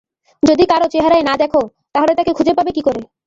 যদি কারো চেহারায় না দেখো, তাহলে তাকে খুঁজে পাবে কী করে।